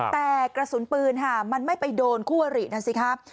แต่กระสุนปืนค่ะมันไม่ไปโดนคู่อรินั่นสิครับ